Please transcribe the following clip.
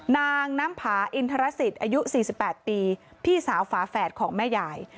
นางน้ำผาอินทรสิตอายุ๔๘ปีพี่สาวฝาแฝดของแม่ยาย